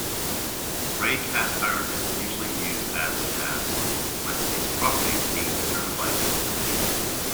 Grey cast-iron is usually used as-cast, with its properties being determined by its composition.